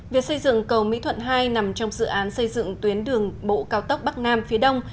việc xây dựng cầu mỹ thuận hai nằm trong dự án xây dựng tuyến đường bộ cao tốc bắc nam phía đông